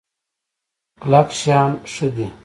کلک شان ښه دی.